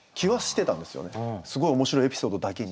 すごい面白いエピソードだけに。